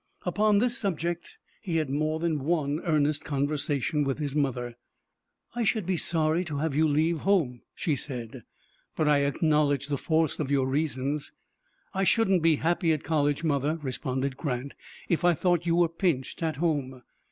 Upon this subject he had more than one earnest conversation with his mother. "I should be sorry to have you leave home," she said; "but I acknowledge the force of your reasons." "I shouldn't be happy at college, mother," responded Grant, "if I thought you were pinched at home."